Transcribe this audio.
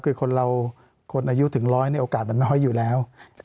คือคนอายุถึง๑๐๐ปีโอกาสมันน้อยอยู่แล้ว